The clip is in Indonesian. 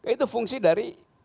itu fungsi dari ksp